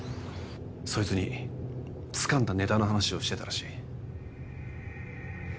そいつにつかんだネタの話をしてたらしい。